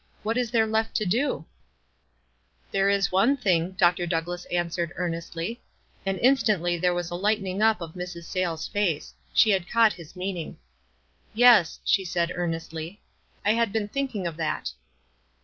What is there left to do ?"" There is one thing," Dr. Douglass answered, earnestly. And instantly there was a lighting up of Mrs. Sayles' face. She had caught his meaning. "Yes," she said, earnestly ; "I had been think ing of that."